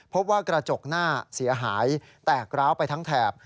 พบว่ากระจกหน้าเสียหายแตกร้าวไปทั้งแถบ